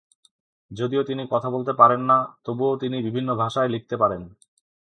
যদিও তিনি কথা বলতে পারেন না, তবুও তিনি বিভিন্ন ভাষায় লিখতে পারেন।